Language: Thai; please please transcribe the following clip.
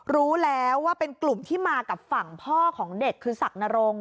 รู้แล้วว่าเป็นกลุ่มที่มากับฝั่งพ่อของเด็กคือศักดรงค